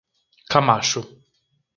Camacho